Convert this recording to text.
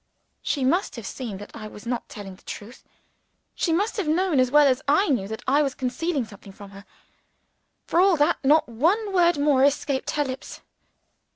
She must have seen that I was not telling the truth: she must have known as well as I knew that I was concealing something from her. For all that, not one word more escaped her lips.